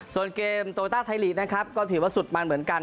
ส่วนเกมโตริกัลไทบุรีรัมด์ก็ถือว่าสุดมั่นเหมือนกัน